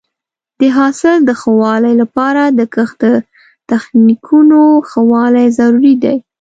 د حاصل د ښه والي لپاره د کښت د تخنیکونو ښه والی ضروري دی.